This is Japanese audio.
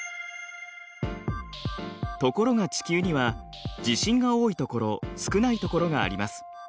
ところが地球には地震が多いところ少ないところがあります。